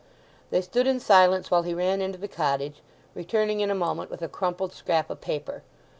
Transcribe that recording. They stood in silence while he ran into the cottage; returning in a moment with a crumpled scrap of paper.